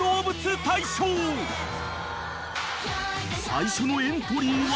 ［最初のエントリーは］